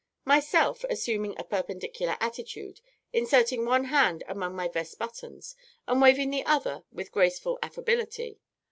Myself (_assuming a perpendicular attitude, inserting one hand among my vest buttons, and waving the other with a graceful affability_).